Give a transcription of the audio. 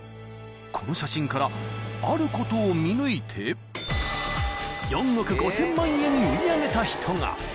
［この写真からあることを見抜いて４億５，０００万円売り上げた人が］